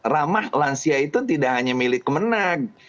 ramah lansia itu tidak hanya milik kemenang